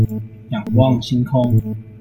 仰望星空